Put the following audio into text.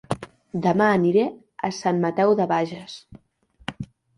Dema aniré a Sant Mateu de Bages